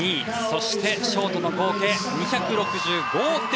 そして、ショートとの合計２６５．２９。